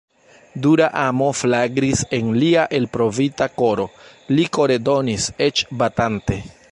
Dura amo flagris en lia elprovita koro; li kore donis, eĉ batante.